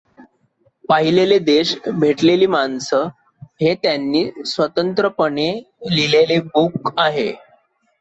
पाहिलेले देश भेटलेली माणसं हे त्यांनी स्वतंत्रपणे लिहिलेले पुस्तक आहे.